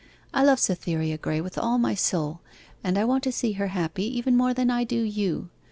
I love Cytherea Graye with all my soul, and I want to see her happy even more than I do you.